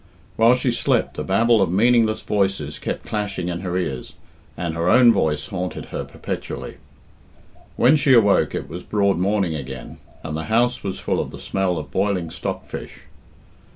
While she slept a babel of meaningless voices kept clashing in her ears, and her own voice haunted her perpetually. When she awoke it was broad morning again, and the house was full of the smell of boiling stock fish.